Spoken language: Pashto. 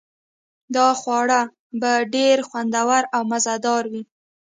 دا خواړه به ډیر خوندور او مزه دار وي